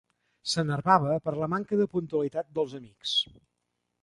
S'enervava per la manca de puntualitat dels amics.